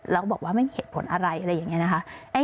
แล้วก็บอกว่าไม่มีเหตุผลอะไรอะไรอย่างนี้นะคะ